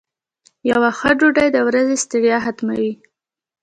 یو ښه ډوډۍ د ورځې ستړیا ختموي.